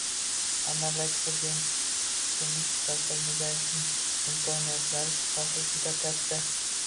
Amaldagi prezidentimiz Shavkat Mirziyoyevning imkoniyatlari shubhasiz juda katta